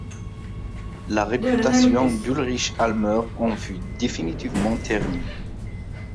La réputation d'Ulrich Almer en fut définitivement ternie.